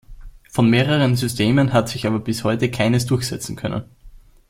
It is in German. Von mehreren Systemen hat sich aber bis heute keines durchsetzen können.